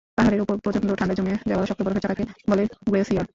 পাহাড়ের ওপর প্রচণ্ড ঠান্ডায় জমে যাওয়া শক্ত বরফের চাকাকে বলে গ্লেসিয়ার।